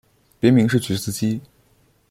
别名是菊子姬。